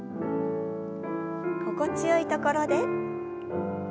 心地よいところで。